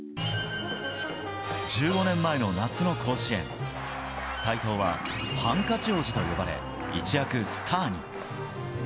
１５年前の夏の甲子園斎藤は、ハンカチ王子と呼ばれ一躍スターに。